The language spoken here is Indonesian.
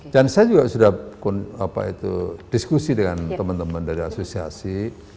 dan saya juga sudah diskusi dengan teman teman dari asosiasi